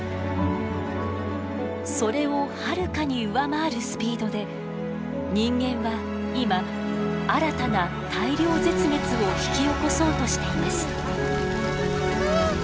それをはるかに上回るスピードで人間は今新たな大量絶滅を引き起こそうとしています。